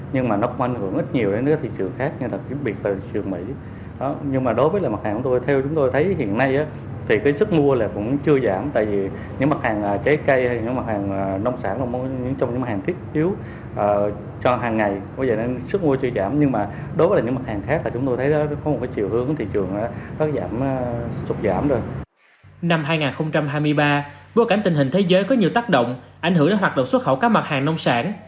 năm hai nghìn hai mươi ba vô cảnh tình hình thế giới có nhiều tác động ảnh hưởng đến hoạt động xuất khẩu các mặt hàng nông sản